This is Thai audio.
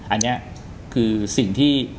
อันนี้คือสิ่งที่